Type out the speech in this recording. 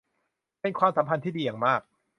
เป็นความสัมพันธ์ที่ดีอย่างมาก